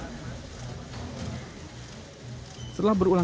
setelah berulang kali diperhatikan setia menemukan seorang perempuan yang berpengalaman